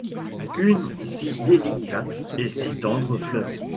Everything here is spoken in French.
Une si délicate et si tendre fleur